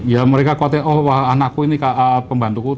ya mereka khawatir oh anakku ini pembantuku